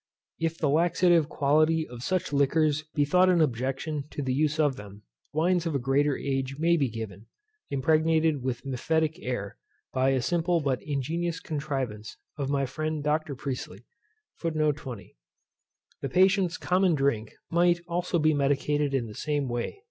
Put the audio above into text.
If the laxative quality of such liquors be thought an objection to the use of them, wines of a greater age may be given, impregnated with mephitic air, by a simple but ingenious contrivance of my friend Dr. Priestley. The patient's common drink might also be medicated in the same way.